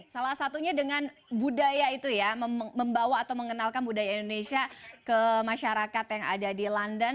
salah satunya dengan budaya itu ya membawa atau mengenalkan budaya indonesia ke masyarakat yang ada di london